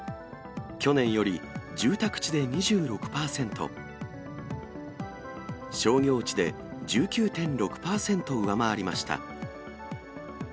去年より住宅地で２６％、商業地で１９．６％上回りました。